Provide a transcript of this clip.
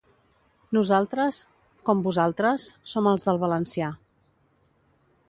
Nosaltres, com vosaltres, som els del valencià.